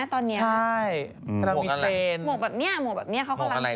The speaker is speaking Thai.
เชี่ยด้วย